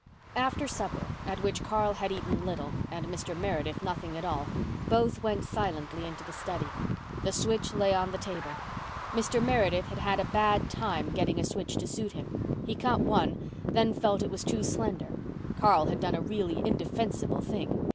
After supper, at which Carl had eaten little and Mr. Meredith nothing at all, both went silently into the study. The switch lay on the table. Mr. Meredith had had a bad time getting a switch to suit him. He cut one, then felt it was too slender. Carl had done a really indefensible thing.